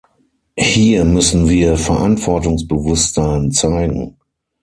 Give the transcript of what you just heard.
Hier müssen wir Verantwortungsbewusstsein zeigen.